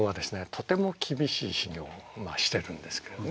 とても厳しい修行をしてるんですけどね。